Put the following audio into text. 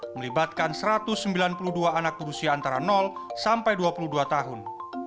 melibatkan satu ratus sembilan puluh dua anak berusia antara sampai dua puluh dua tahun